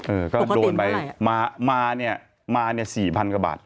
เออก็โดนไปมาเนี่ย๔๐๐๐กว่าบาท